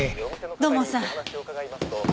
土門さん。